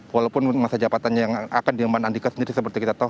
walaupun masa jabatannya yang akan diemban andika sendiri seperti kita tahu